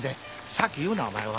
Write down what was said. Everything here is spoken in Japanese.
先言うなお前は。